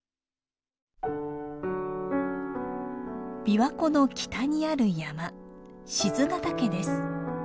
びわ湖の北にある山賤ヶ岳です。